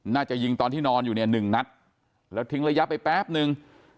น่าจะยิงตอนที่นอนอยู่เนี่ยหนึ่งนัดแล้วทิ้งระยะไปแป๊บนึง